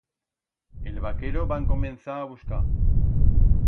El vaquero va encomenzar a buscar.